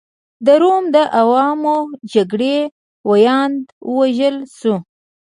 د روم د عوامو جرګې ویاند ووژل شو.